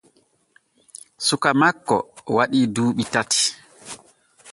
Suka makko waɗii duuɓi tati.